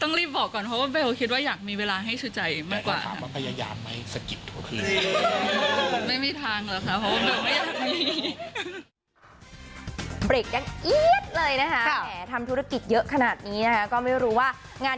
ต้องรีบบอกก่อนเพราะว่าเบลคิดว่าอยากมีเวลาให้ชูใจมากกว่า